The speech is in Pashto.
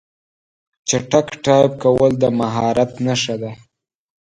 چټک ټایپ کول د مهارت نښه ده.